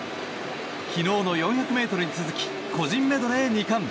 昨日の４００ｍに続き個人メドレー２冠。